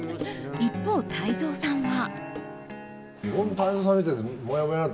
一方、泰造さんは。